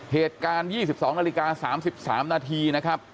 เหตุการณ์๒๒นาฬิกา๓๓นาทีนะครับ